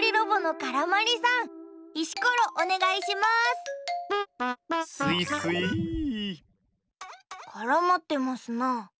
からまってますな。